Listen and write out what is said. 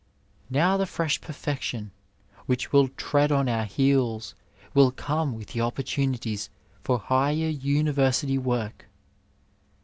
Now the fresh perfection which will tread on our heels will come with the opportunities for higher university work.